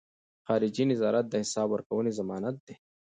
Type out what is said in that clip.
خارجي نظارت د حساب ورکونې ضمانت دی.